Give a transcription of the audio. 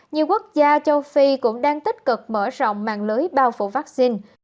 nhiều quốc gia châu phi cũng đang tích cực mở rộng mạng lưới bao phủ vaccine